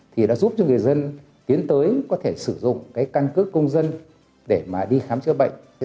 thì đã giúp cho người dân tiến tới có thể sử dụng cái căn cước công dân để mà đi khám chữa bệnh